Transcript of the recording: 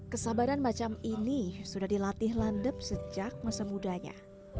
kesabaran macam ini sudah dilatih landep sejak masa mudanya